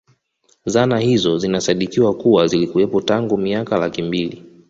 Zana hizo zinasadikiwa kuwa zilikuwepo tangu miaka laki mbili